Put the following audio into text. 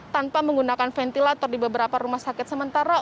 tanpa menggunakan ventilator di beberapa rumah sakit sementara